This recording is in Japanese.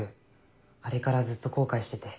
あれからずっと後悔してて。